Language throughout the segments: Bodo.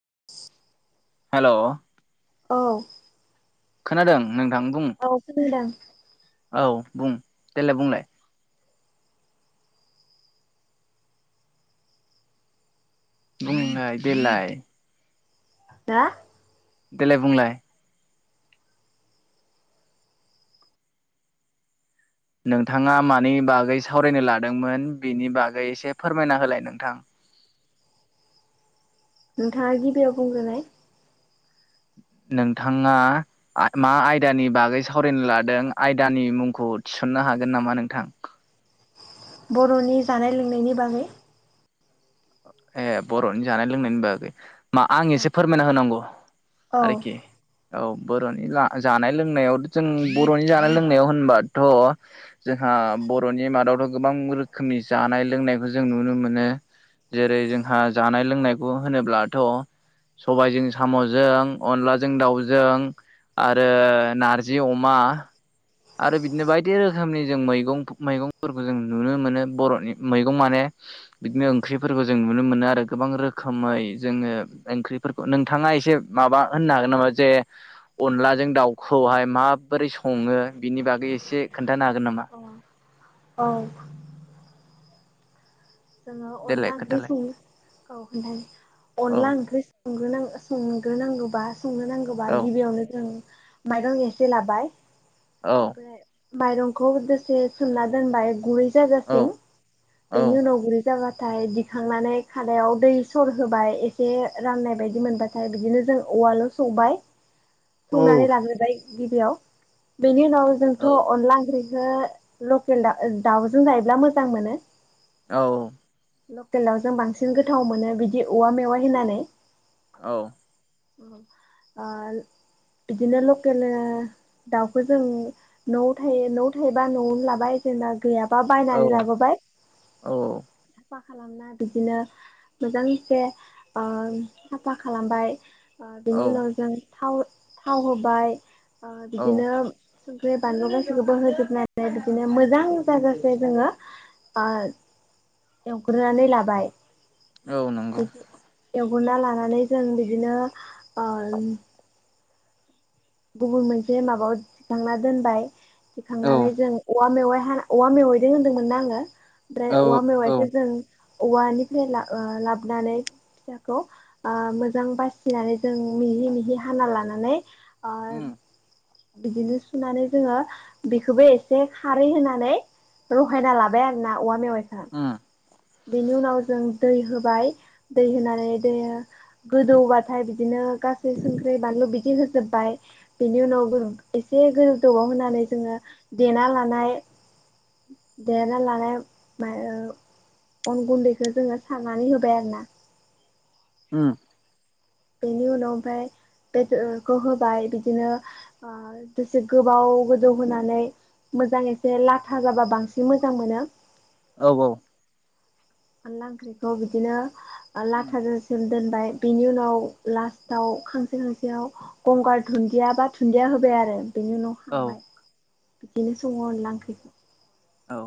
[inaudible] हेल' औ खोनादों नों औ खनादों औ बुं देलाय बुंलाय बुंलाय देलाय दा देलाय बुंलाय नोंथाङा मानि बागै सावरायनो लादोंमोन बेनि बागै एसे फोरमायना होलाय नोंथां नोंथाङा गिबियाव बुंग्रोनाय [inaudible] नोंथाङा मा आयदानि बागै सावरायनो लादों आयदानि मुंखौ थिसननो हागोन नामा नोंथां बर'नि जानाय लोंनायनि बागै ए बर'नि जानाय लोंनाय बागै मा आं एसे फोरमायना होनांगौ औ आरोखि औ बर'नि ला जानाय लोंनायाव जों बर'नि जानाय - लोंनायाव होनबाथ' जोंहा बर'नि मादावथ' गोबां रोखोमनि जानाय लोंनायखौ जों नुनो मोनो जेरै जोंहा जानाय लोंनायखौ होनोब्लाथ' सबायजों साम'जों अनलाजों दाउजों आरो नारजि अमा आरो बिदिनो बायदि रोखोमनि जों मैगं मैगंफोरखौ जों नुनो मोनो बर'नि मैगं माने बिदिनो ओंख्रिफोरखौ जों नुनो मोनो आरो गोबां रोखोमै जोङो ओंख्रिफोरखौ नोंथाङा ङा एसे माबा होननो हागोन नामा जे अनलाजों दाउखौहाय माबोरै संङो बिनि बागै एसे खोन्थानो हागोन नामा? औ। जोङो अनला देलाय ओंख्रि खोन्थालाय सङो। औ ओमफ्राय औ अनला ओंख्रि संग्रोनां सं संनो नांगौबा संनो नांगौबा औ गिबियावनो जों माइरं एसे लाबाय औ ओमफ्राय माइरंखौ दसे सोमना दोनबाय गुरै औ जाजासिम औ बेनि उनाव गुरै जाबाथाय दिखांनानै खादायाव दै सर होबाय एसे राननाय बायदि मोनबाथाय बिदिनो जों उवालाव सौबाय संनानै लाग्रोबाय गिबियाव बेनि उनाव जोंथ' औ अनला ओंख्रि नोंथाङा लकेल दा दाउजों जायोब्ला मोजां मोनो औ औ लकेलाव जों बांसिन गोथाव मोनो बिदि औवा मेवाइ होनानै औ ओह बिदिनो लकेल ओ दाउखौ जों न'आव थायो न'आव थायोबा न'आवनो लाबाय जेनेबा गैयाबा बायनानै लाबोबाय औ साफा खालामना बिदिनो मोजांसे ओ साफा खालामबाय ओ बिनि औ उनाव जों थाव थाव होबाय औ बिदिनो सुंख्रि बानलु गासैखौबो होजोबनानै बिदिनो मोजां जाजासे जोङो। ओ एवग्रोनानै लाबाय औ नंगौ। उनना लानानै जों बिदिनो उम गुबुन मोनसे माबायाव दिखांना दोनबाय औ दिखांनानै जों औवा मेवाय औवा मेवाइदों होन्दोंमोनना आङो ओमफ्राय औ औवा औ मेवाइखो जों औवानिफ्राय ला ओ लाबोनानै फिसाखौ ओ मोजां बासिनानै जों मिहि मिहि हाना लानानै ओ उम बिदिनो सुनानै जोङो बेखौबो एसे खारै होनानै रहायना लाबाय आरोना औवा मेवाइ खो उम बेनि उनाव जों दै होबाय दै होनानै दै गोदौबाथाय बिदिनो ओ गासै संख्रि बानलु बिदि होजोबबाय बेनि उनाव जों एसे गोदौआव होनानै जों ओ देना लानाय देना लानाय मा ओ अन गुन्दैखो जोङो सारनानै होबाय आरोना। उम। बेनि उनाव ओमफ्राय बेदरखौ होबाय बिदिनो ओ दसे गोबाव गोदौ होनानै मोजां एसे लाथा जाबा बांसिन मोजां मोनो। औ औ अनला ओंख्रिखौ बिदिनो उम लाथाजों सो दोनबाय बिनि उनाव लास्टआव खांसे खांसेयाव गंगार दुन्दिया बा दुुनन्दिया होबाय आरो बिनि उनाव औ खांबाय बिदिनो सङो अनला ओंख्रिखौ औ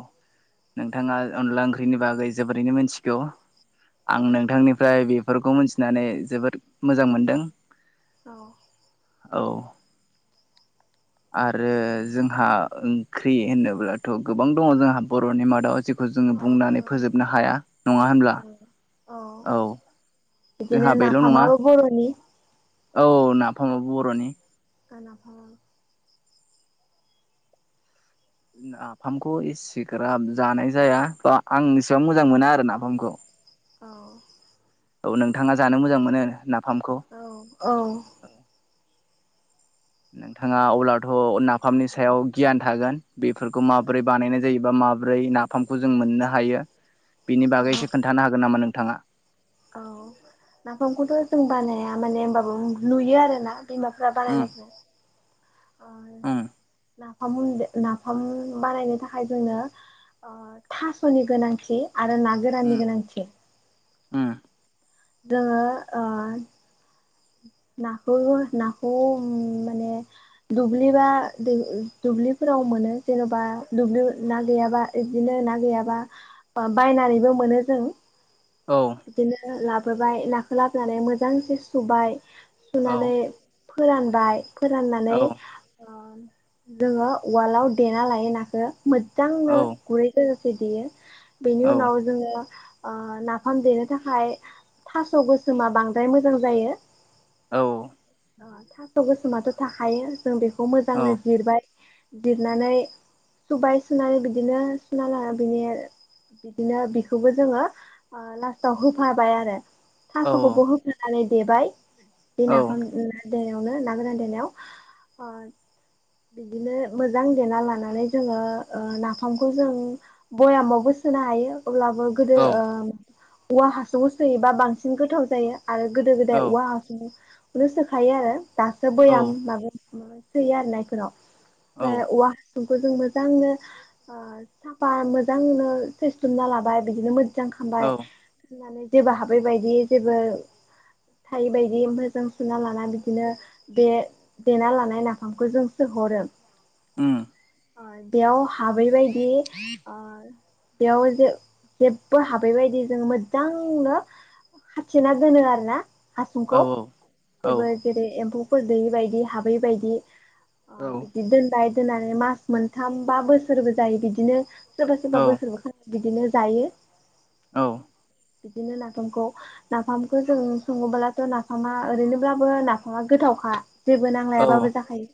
नोंथाङा अनला ओंख्रिनि बागै जोबोरैनो मिथिगौ। औ आं नोंथांनिफ्राय बेफोरखौ मिथिनानै जोबोद मोजां मोनदों औ। औ। आरो जोंहा ओंख्रि होनोब्लाथ' गोबां दङ जोंहा बर'नि मादाव जे बखौ जोङो औ बुंनानै बर'नि फोजोबनो हाया नङा होनब्ला? औ औ। बिदिनो जोंहा बेल' नङा नाफामाबो बर'नि। औ नाफामाबो बर'नि। गानाफा नाफामखौ एसेग्राब जानाय जाया बा आं एसेबां मोजां मोना आरो नाफामखौ। औ औ नोंथाङा जानो मोजां मोनो ना औ औ नोंथाङा अब्लाथ' नाफामनि सायाव गियान थागोन बेफोरखौ माबोरै बानायनाय जा जायो बा माब्रै नाफामखौ जों मोननो हायो बिनि औ बागै एसे खोन्थानो हागोन नामा नों थाङा औ नाफामखौथ' जों बानाया माने होनबाबो नुयो आरोना। बिमाफ्रा उम बानाय खौ उम नाफाम दे नाफाम बानायनो थाखाय जोंनो थास'नि गोनांथि। आरो उम नागोरानि गोनांथि उम जोङो ओ। नाखौबो नाखौ माने दुब्लि बा दुबलि फोर फोराव मोनो जेन'बा दुब्लि ना गैयाबा बिदिनो ना गैयाबा बायनानैबो मोन नो जों औ बिदिनो लाबोबाय नाखौ लाबोनानै मोजांसे सुबाय। औ सुनानै फोरानबाय औ फोराननानै ओ जोङो उवालाव देना लायो नाखौ मोजांनो औ गुरै देयो बेनि उनाव औ जोङो। ओ नाफाम देनो थाखाय थास' गोसोमा बांद्राय मोजां जायो औ अ थास' गोसोमाथ' थाखायो जों बेखौ औ मोजांनो जिरबाय। जिरनानै सुबाय सुनानै बिदिनो सुना लाना बिनि बिदिनो बिखौबो जोङो लास्टाव होफाबाय आरो। थास'खौबो होफानानै देबाय बे औ नाफाम देयावनो ना गोरान देनायाव अ। बिदिनो मोजां देना लानानै जोङो ओ नाफामखौ जों भयामावबो सोनो हायो अब्लाबो गोदो ओ औवा हासुङव सोयोबा बांसिन गोथाव जायो। आरो गोदो गोदाय औवा हासुंखौनो सोखायो आरो दासो औ बयाम माबा सोयो आरो औ नाखुनाव औव सुंखौ जों मोजांनो ओ साफा मोजांनो सैसथुमना लाबाय बिदिनो मो मोजां औ खमबाय जेबो हाबै बायदि जेबो थायै बायदि दि ओमफ्राय जों सुना लाना बिदिनो बे देना लानाय नाफामखौ जों सोहरो। उम अ बेयाव हाबैबायायदि अ बेयाव जे जेबो हाबैबायायदि जों मोजांनो। हाथिना दोनो आरो ना हा। सुंखौ औ औ जेबो जेरै एम्फौफोर दैयै बायदि हाबै बायदि। अ औ बिदि दोनबाय दोननानै मास मोनथाम बा बोसोरबो जायो बिदिनो। सोरबा सोरबा बोसोरबोखान बिदिनो जायो। औ बिदिनो नाफामखौ नाफामखौ जों सङोब्ला। ' नाफामा ओरैनोब्लाबो नाफामा गोथावखा। जेबो नांलायाबाबो जाखायो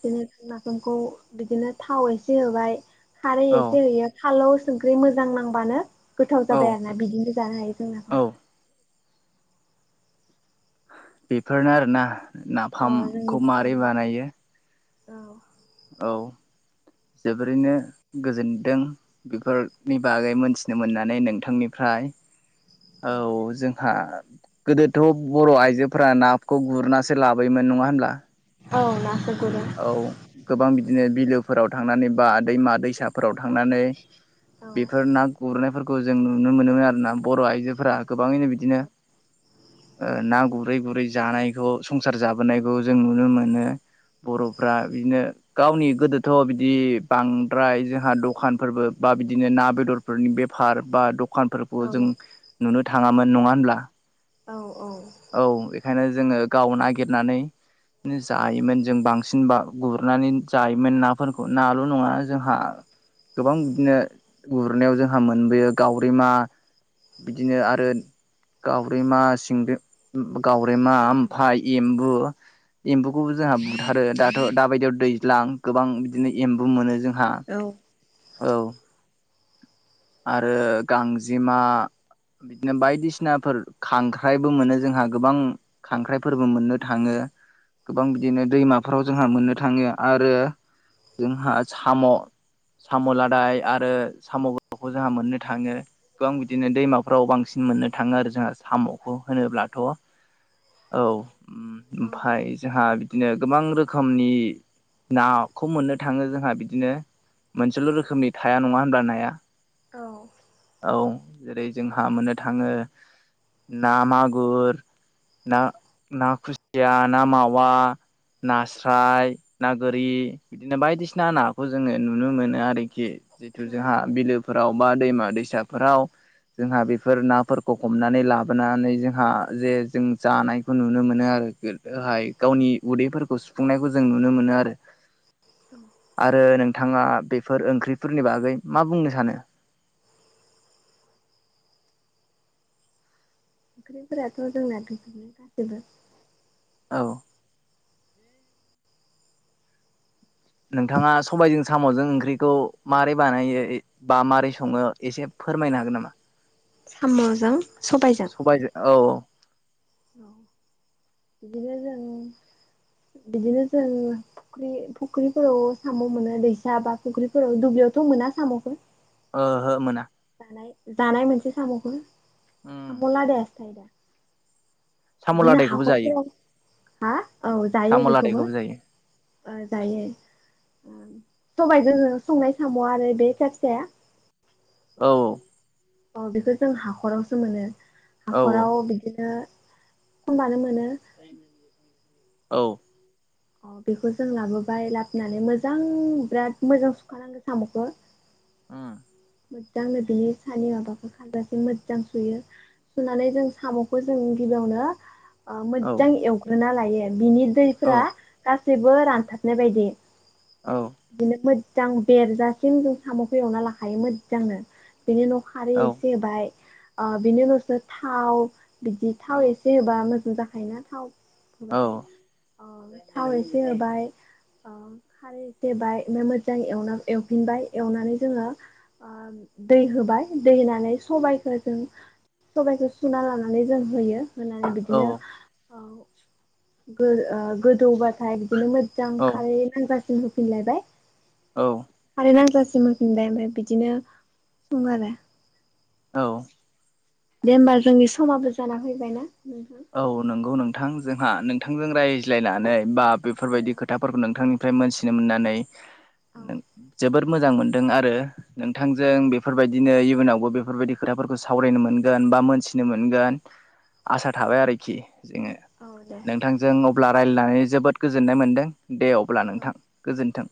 बिदिनो ज [inaudible] खौ बिदिनो थाव एसे होबाय खारै औ एसे होयो खााल [unintelligible] संख्रि मोजां नांबानो गोथाव औ जाबाय आरो ना बिदिनो जानो हायो जों नाफामखौ। बेफोरनो आरो ना औ नाफामखौ जोंनि माबोरै बर'नि बानायो? औ औ जोबोरैनो गोजोनदों बेफोरनि बागै मोनथिनो मोननानै नोंथांनिफ्राय [unintelligible] औ जोंहा गोदोथ' बर' आइजोफोरा नाखौ गुरनासो लाबोयोमोन नङा होनब्ला औ ना स [inaudible] औ गोबां बिदिनो बिलोफोराव थांनानै बा दैमा दैसाफोराव थांनानै औ बेफोर ना गुरनायफोरखौ जों नुनो मोनोमोन आरो ना बर' आइजोफोरा गोबाङैनो बिदिनो [unintelligible] ना गुरै-गुरै जानायखौ संसार जाबोनायखौ जों नुनो मोनो बर'फ्रा बिदिनो गावनि गोदोथ' बिदि बांद्राय जोंहा दखानफोरबो बा बिदिनो ना बेदरफोरनि बेफार बा द दखानफोरखौ औ जों नुनो थाङामोन नङा होनब्ला औ औ औ बेखायनो जोङो गाव नागिरनानै जायोमोन जों बांसिन बा गुरनानै जायोमोन नाफोरखौ नाल' नङा जोंहा गोबां बिदिनो गुरनायाव जोंहा मोनबोयो गावरिमा बिदिनो आरो गावरेमा सिंदों गावरेमा ओमफाय एम्बु एम्बुखौबो जोंहा बुथारो दाथ' दााबायदियाव दैज्लां गोबां बिदिनो एम्बु मोनो जों औ आरो गांजेमा बिदिनो बायदिसिनाफोर खांख्राइबो मोनो जोंहा गोबां खांख्राइफोरबो मोननो थाङो गोबां बिदिनो दैमाफोराव जोंहा मोननो थाङो आरो जोंहा साम' साम' लादाय आरो साम'खौ जोंहा मोननो थाङो गोबां बिदिनो दैमाफ्राव बांसिन मोननो थाङो आरो जोंहा साम'खौ होनोब्ला थ' औ ओमफाय जोंहा बिदिनो गोबां रोखोमनि नाखौ मोननो थाङो जोंहा बिदिनो मोनसेल' रोखोमनि थाया नङा होनब्ला नाया औ औ जेरै जोंहा मोननो थाङो ना मागु [unintelligible] ना, ना खुसिया, ना मावा नास्राय, ना गोरि बिदिनो बायदिसिना नाखौ जोङो नुनो मोनो आरोखि जिथु जोंहा बिलो फोराव बा दैमा-दैसाफोराव जोंहा बेफोर नाफोरखौ हमनानै लाबोनानै जों आं जे जों जानायखौ नुनो मोनो आरो गोदोहाय गावनि उदैफोरखौ सुफुंनायखौ जों नु नुनो मोनो आरो [unintelligible] आरो नोंथाङा बेफोर ओंख्रिफोरनि बागै मा बुंनो सानो [unintelligible] ओंख्रिफोराथ' जोंना बिदिनो गासिबो औ नोंथाङा सबायाइजों साम'जों ओंख्रिखौ मारै बानायो बा मारै सङो एसे फोरमायनो हागोन नामा साम' जों स'बायजों औ औ औ बिदिनो जों बिदिनो जों फख्रि फुख्रिफोराव साम' मोनो दैसा बा फुख्रिफोराव दुब्लियावथ' मोना साम'खौ ओहो मोना जानाय जानाय मोनसे साम'खौ उम साम' लादायासो थायो दा साम' बिदिनो लादायखौबो हाखर जायो फोराव हा औ जायो साम' बेखौबो लादायखौबो जायो ओ जायो। सबायाइजों संनाय साम' आरो बे फिसा फिसाया औ औ औ बेखौ जों हाखरावसो मोनो औ हाखराव बिदिनो ख'नबानो मोनो औ। अ बेखौ जों लाबोबाय लाबोनानै मोजां बिराद मोजां सुखानांगौ साम'खौ उम मोजांनो बिनि सानै माबाखौ खाजासे मोजां सुयो सुनानै जों साम'खौ जों गिबियावनो औ मोजां एवग्रोना लायो बिनि औ दैफोरा गासैबो रानथाबनाय बायदि औ बिदिनो मोजां बेरजासिम जों साम' खौ एवना लाखायो मोजांनो बिनि उनाव खारै एसे होबाय ओ बिनि उनावसो थाव बिदि थाव एसे होबा मोजां जाखायोना थाव होबाथाय अ थाव एसे होबाय ओ खारै एसे होबाय ओमफ्राय मोजां एवना एवफिनबाय एवनानै जोङो ओ दै होबाय दै होनानै सबायखौ जों सबायखौ सुना लानानै जों होयो। होनानै बिदिनो ओ ओ गोदौ बाथाय बिदिनो मोजां औ खारै नांजासिम होफिनलायबाय औ। खारै नांजासिम होफिनबाय ओमफ्राय बिदिनो सङो आरो। औ। दे होमबा जोंनि समाबो जाना फैबाय ना। औ नंगौ नोंथां जोंहा नोंथांजों रायज्लायनानै बा बेफोरबायदि औ खोथाफोरखौ नोंथांनि ओमफ्राय मोनथिनो मोननानै। जोबोद मोजां मोनदों आरो नोंथांजों बेफोरबायदिनो इयुनावबो बेफोरबायदि खोथा। फोरखौ सावरायनो मोनगोन बा मोनथिनो मोनगोन आसा थाबाय आरोखि जोङो औ औ दे नोंथांजों अब्ला रायजलायनानै जोबोद गोजोननाय मोनदों। दे अब्ला औ नोंथां गोजोन्थों।